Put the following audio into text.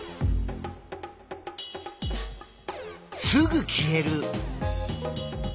すぐ消える。